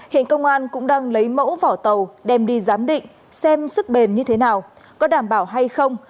hiện công an cũng đang lấy mẫu vỏ tàu đem đi giám định xem sức bền như thế nào có đảm bảo hay không